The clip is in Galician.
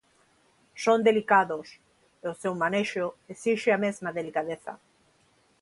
Son delicados e o seu manexo esixe a mesma delicadeza.